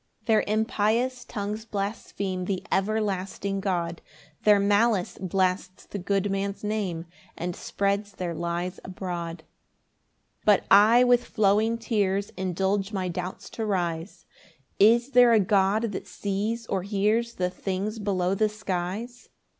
5 Their impious tongues blaspheme The everlasting God; Their malice blasts the good man's name, And spreads their lies abroad. 6 But I with flowing tears Indulge my doubts to rise "Is there a God that sees or hears "The things below the skies?"